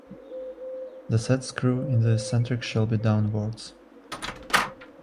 The set screw in the eccentric shall be downwards.